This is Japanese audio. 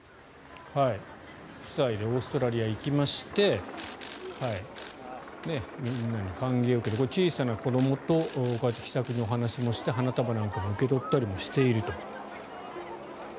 夫妻でオーストラリアに行きましてみんなに歓迎を受けてこれは小さな子どもとこうやって気さくにお話をして花束なんかも受け取ったりもしていると。